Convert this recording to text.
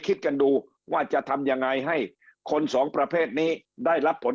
คิดกันดูว่าจะทำยังไงให้คนสองประเภทนี้ได้รับผล